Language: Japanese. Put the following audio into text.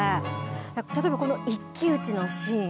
例えばこの一騎打ちのシーン。